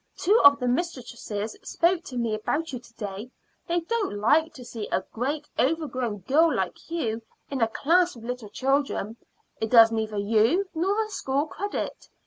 Two of the mistresses spoke to me about you to day. They don't like to see a great overgrown girl like you in a class with little children; it does neither you nor the school credit.